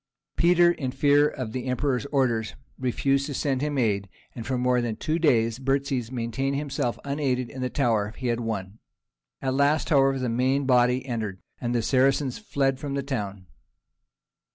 Peter, in fear of the Emperor's orders, refused to send him aid, and for more than two days Burtzes maintained himself unaided in the tower he had won. At last, however, the main body entered, and the Saracens fled from the town.